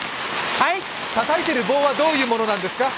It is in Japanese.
たたいている棒はどういうものなんですか？